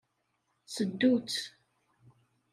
Seddu-tt.